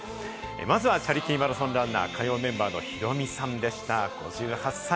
まずはチャリティーマラソンランナー、火曜メンバーのヒロミさんでした、５８歳。